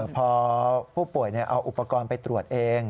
พอผู้ป่วยเอาอุปกรณ์ไปตรวจเอง